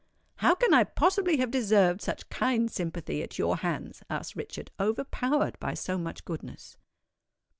"How can I possibly have deserved such kind sympathy at your hands?" asked Richard, overpowered by so much goodness.